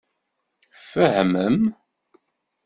Tfehmem.